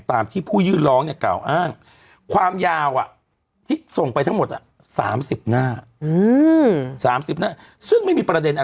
ตามที่ผู้ยืดร้องกล่าวอ้างความยาวที่ส่งไปทั้งหมด๓๐หน้า